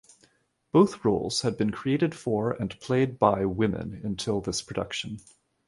Both roles had been created for and played by women until this production.